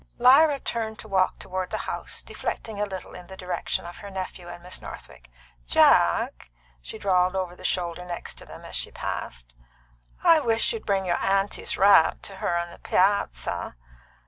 Lyra turned to walk toward the house, deflecting a little in the direction of her nephew and Miss Northwick. "Jack!" she drawled over the shoulder next them as she passed, "I wish you'd bring your aunty's wrap to her on the piazza."